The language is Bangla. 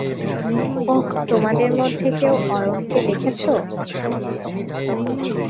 ওহ, তোমাদের মধ্যে কেউ ওয়েনকে দেখেছো?